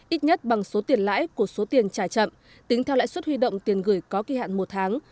ít nhất bằng số tiền lãi của số tiền trả chậm tính theo lãi suất huy động tiền gửi có kỳ hạn một tháng